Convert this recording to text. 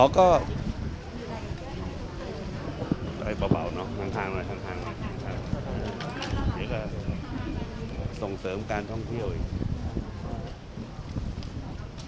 อ๋อก็อะไรเปล่าเนอะทางหน่อยทางหน่อยส่งเสริมการท่องเที่ยวอีก